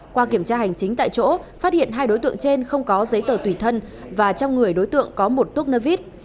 qua kiểm tra hành chính tại chỗ phát hiện hai đối tượng trên không có giấy tờ tùy thân và trong người đối tượng có một túp nơ vít